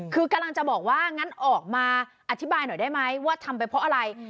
คือกำลังจะบอกว่างั้นออกมาอธิบายหน่อยได้ไหมว่าทำไปเพราะอะไร